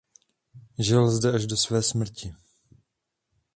Žil zde až do své smrti.